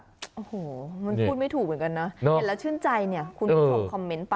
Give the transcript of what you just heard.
มันพูดไม่ถูกเหมือนกันนะ